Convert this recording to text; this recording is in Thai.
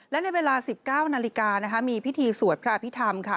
และในเวลา๑๙นาฬิกามีพิธีสวดพระพิธรรมค่ะ